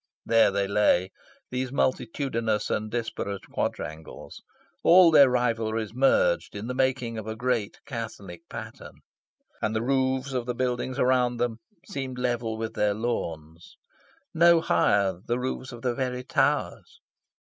There they lay, these multitudinous and disparate quadrangles, all their rivalries merged in the making of a great catholic pattern. And the roofs of the buildings around them seemed level with their lawns. No higher the roofs of the very towers.